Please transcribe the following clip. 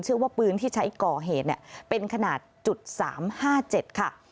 ว่าปืนที่ใช้ก่อเหตุเป็นขนาด๓๕๗ค่ะ